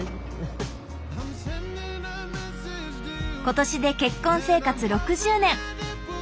今年で結婚生活６０年。